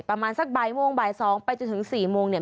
ประมาณสักบ่ายโมงบ่าย๒ไปจนถึง๔โมงเนี่ย